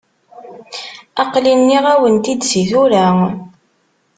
Aql-i nniɣ-awen-t-id si tura.